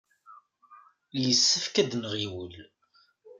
Yessefk ad nɣiwel.